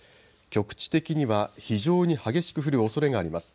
局地的には非常に激しく降るおそれがあります。